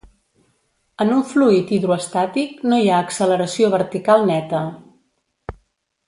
En un fluid hidroestàtic no hi ha acceleració vertical neta.